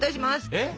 えっ！